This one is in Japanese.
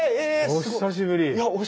お久しぶりです。